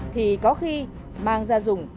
thì có khi mang ra dùng